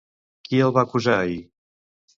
Qui el va acusar ahir?